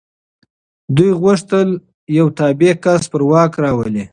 دوی غوښتل یو تابع کس پر واک راولي.